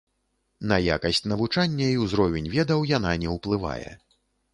На якасць навучання і ўзровень ведаў яна не ўплывае.